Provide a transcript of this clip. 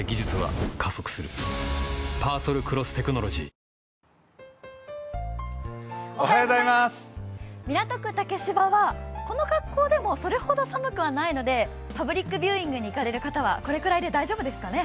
マイアミは雨予報が晴れに変わったという話でしたけど、港区竹芝は、この格好でもそれほど寒くはないのでパブリックビューイングに行かれる方は、このくらいで大丈夫ですかね？